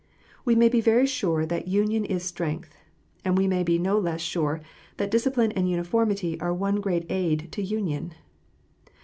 We may be very sure that union is strength, and we may be no less sure that discipline and uniformity are one great aid to union.